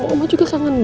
oma juga sangat baik